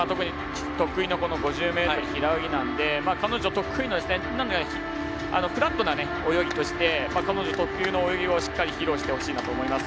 得意の５０ｍ平泳ぎなので彼女得意のフラットな泳ぎとして彼女特有の泳ぎを披露してほしいなと思います。